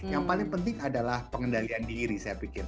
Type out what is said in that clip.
yang paling penting adalah pengendalian diri saya pikir